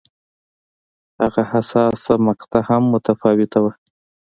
هغه حساسه مقطعه هم متفاوته وه.